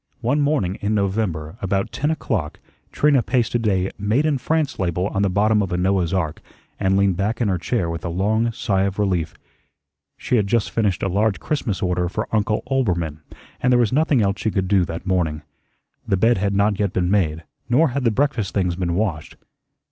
One morning in November, about ten o'clock, Trina pasted a "Made in France" label on the bottom of a Noah's ark, and leaned back in her chair with a long sigh of relief. She had just finished a large Christmas order for Uncle Oelbermann, and there was nothing else she could do that morning. The bed had not yet been made, nor had the breakfast things been washed.